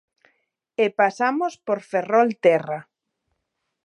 E pasamos por Ferrolterra.